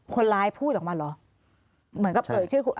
คนร้ายพูดออกมาเหรอ